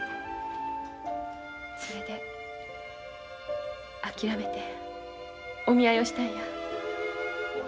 それで諦めてお見合いをしたんや。